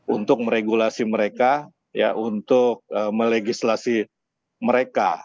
untuk meregulasi mereka untuk melegislasi mereka